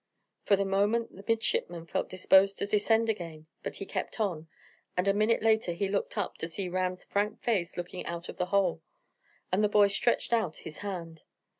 For the moment the midshipman felt disposed to descend again, but he kept on, and a minute later he looked up, to see Ram's frank face looking out of the hole, and the boy stretched out his hand.